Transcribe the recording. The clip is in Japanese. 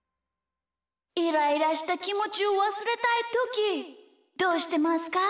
イライラしたきもちをわすれたいときどうしてますか？